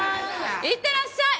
いってらっしゃい。